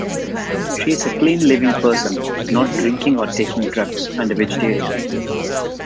She is a clean-living person, not drinking or taking drugs, and a vegetarian.